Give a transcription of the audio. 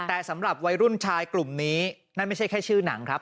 แต่สำหรับวัยรุ่นชายกลุ่มนี้นั่นไม่ใช่แค่ชื่อหนังครับ